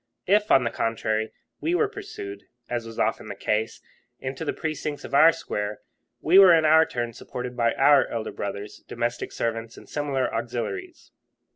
If, on the contrary, we were pursued, as was often the case, into the precincts of our square, we were in our turn supported by our elder brothers, domestic servants, and similar auxiliaries.